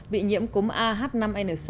bị nhiễm cúm ah năm n sáu